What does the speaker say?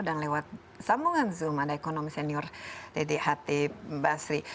dan lewat sambungan zoom ada ekonomi senior dede hatip basri